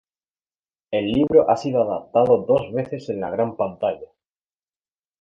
El libro ha sido adaptado dos veces en la gran pantalla.